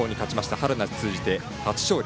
春夏通じて初勝利。